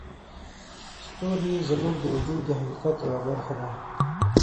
ستوري زموږ د وجود د حقیقت یوه برخه دي.